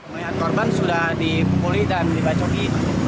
melihat korban sudah dipukuli dan dibacoki